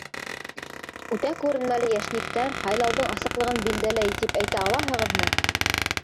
— Үтә күренмәле йәшниктәр һайлауҙың асыҡлығын билдәләй, тип әйтә алаһығыҙмы?